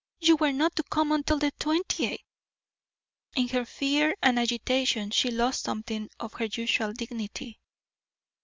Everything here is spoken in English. You were not to come until the twentieth." In her fear and agitation she lost something of her usual dignity.